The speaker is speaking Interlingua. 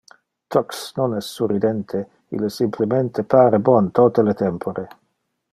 Tux non es surridente, ille simplemente pare bon tote le tempore.